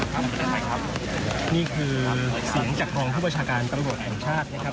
ไม่เป็นไรครับนี่คือเสียงจากรองผู้ประชาการตำรวจแห่งชาตินะครับ